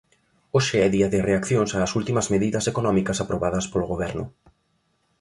Hoxe é día de reaccións ás últimas medidas económicas aprobadas polo Goberno.